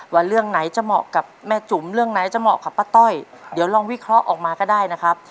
ว่าเรื่องไหนจะเหมาะกับแม่จุ๋มเรื่องไหนจะเหมาะกับป้าต้อยเดี๋ยวลองวิเคราะห์ออกมาก็ได้นะครับ